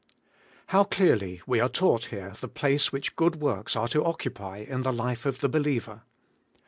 HOW clearly we are taught here the place which good works are to occupy in the life of the believer!